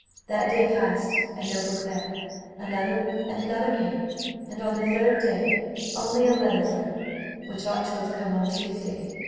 that day passed, and no Beauclerc; another and another came, and on the third day, only a letter from him, which ought to have come on Tuesday.